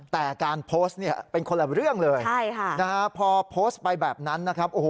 แต่การโพสต์เป็นคนละเรื่องเลยพอโพสต์ไปแบบนั้นนะครับ